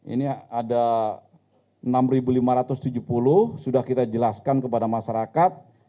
ini ada enam lima ratus tujuh puluh sudah kita jelaskan kepada masyarakat